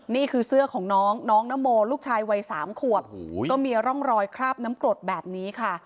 นี่คือเสื้อของน้องน้องนโมลูกชายวัย๓ขวบก็มีร่องรอยคราบน้ำกรดแบบนี้ค่ะ